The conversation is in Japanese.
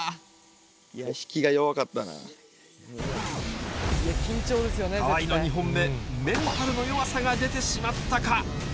いや、河合の２本目、メンタルの弱さが出てしまったか。